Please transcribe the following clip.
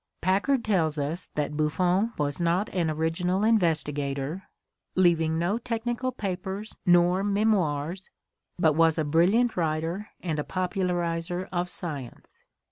Packard tells us that Buffon was not an original investigator, leaving no technical papers nor memoirs, but was a brilliant writer and a popularizer of science.